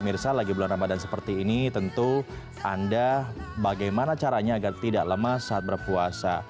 mirsa lagi bulan ramadhan seperti ini tentu anda bagaimana caranya agar tidak lemas saat berpuasa